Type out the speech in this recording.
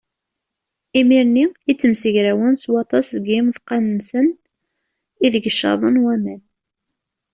Imir-nni i ttemsegrawen s waṭas deg yimeḍqan-nsen ideg caḍen waman.